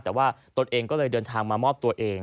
แต่ว่าตนเองก็เลยเดินทางมามอบตัวเอง